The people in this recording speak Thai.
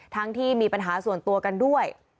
ที่มีปัญหาส่วนตัวกันด้วย